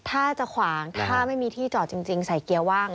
ถ้าจะขวางถ้าไม่มีที่จอดจริงใส่เกียร์ว่าง